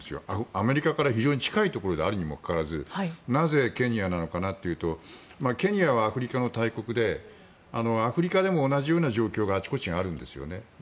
アメリカから非常に近いところであるにもかかわらずなぜ、ケニアなのかなというとケニアはアフリカの大国でアフリカでも同じような状況があちこちにあるんですよね。